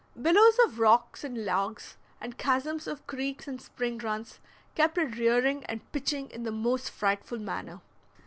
Billows of rocks and logs, and chasms of creeks and spring runs, kept it rearing and pitching in the most frightful manner.